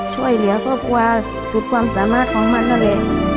ช่วยเหลือครอบครัวสุดความสามารถของมันนั่นแหละ